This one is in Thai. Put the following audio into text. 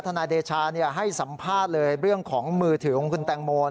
นายเดชาให้สัมภาษณ์เลยเรื่องของมือถือของคุณแตงโม